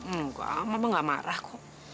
enggak mama gak marah kok